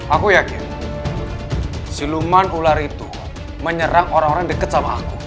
aku yakin siluman ular itu menyerang orang orang dekat sama aku